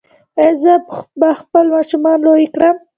ایا زه به خپل ماشومان لوی کړم؟